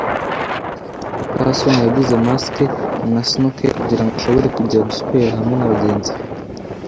muka soni yaguze mask na snorkel kugirango ashobore kujya guswera hamwe nabagenzi be.